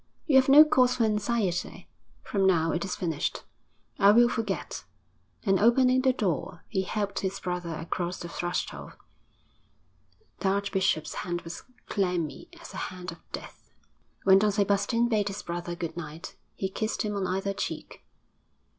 'You have no cause for anxiety. From now it is finished. I will forget.' And, opening the door, he helped his brother across the threshold. The archbishop's hand was clammy as a hand of death. When Don Sebastian bade his brother good night, he kissed him on either cheek.